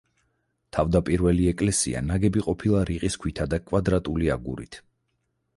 თავდაპირველი ეკლესია ნაგები ყოფილა რიყის ქვითა და კვადრატული აგურით.